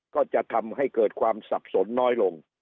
ก็จะทำให้เกิดความสับสนน้อยลง